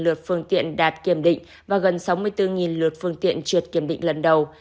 hai trăm bảy mươi năm lượt phương tiện đạt kiểm định và gần sáu mươi bốn lượt phương tiện trượt kiểm định lần đầu